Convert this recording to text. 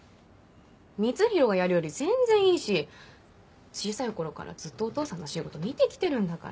光洋がやるより全然いいし小さい頃からずっとお父さんの仕事見て来てるんだから。